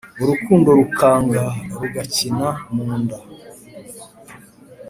Urukundo rukanga rugakina mu nda